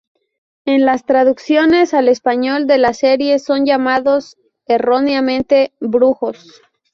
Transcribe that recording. En las traducciones al español de la serie son llamados erróneamente ""brujos"".